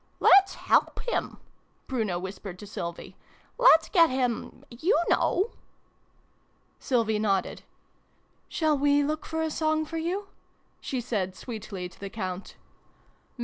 " Let's help him !" Bruno whispered to Sylvie. " Let's get him you know !" Sylvie nodded. " Shall we look for a song for you ?" she said sweetly to the Count.